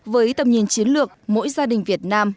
với tầm nhìn chiến lược mỗi gia đình việt nam